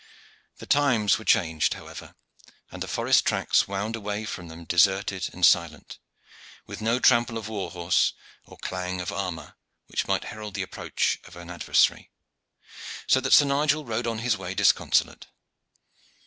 The times were changed, however, and the forest tracks wound away from them deserted and silent, with no trample of war horse or clang of armor which might herald the approach of an adversary so that Sir Nigel rode on his way disconsolate.